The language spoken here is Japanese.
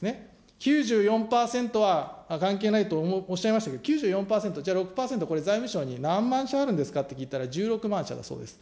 ９４％は関係ないとおっしゃいましたけど、９４％、じゃあ６％これ、財務省に何万社あるですかと、１６万社だそうです。